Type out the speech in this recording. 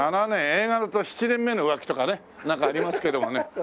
映画だと『七年目の浮気』とかねなんかありますけどもね。